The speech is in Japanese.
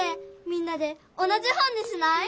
みんなで同じ本にしない？